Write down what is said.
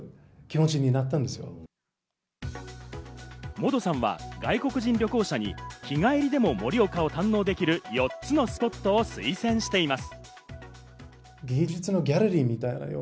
モドさんは外国人旅行者に日帰りでも盛岡を堪能できる、４つのスポットを推薦しています。